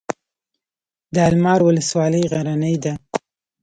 د المار ولسوالۍ غرنۍ ده